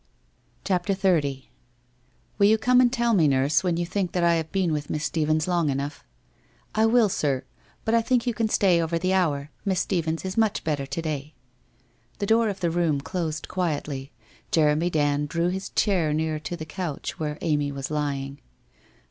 CHAPTER XXX ' Will you come and tell me, nurse, when you think that I have been with Miss Stephens long enough ?'' I will, sir. But I think you can stay over the hour. Miss Stephens is much better to day.' The door of the room closed quietly. Jeremy Dand drew his chair nearer to the couch where Amy was lying.